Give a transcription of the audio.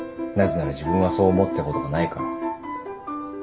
なぜなら自分はそう思ったことがないから。